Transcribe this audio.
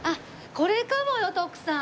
これかもよ徳さん。